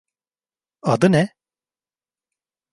Adı ne?